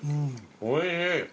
おいしい。